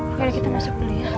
oke kita masuk